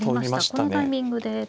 このタイミングでですね。